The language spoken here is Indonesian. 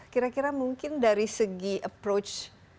kira kira mungkin dari segi approach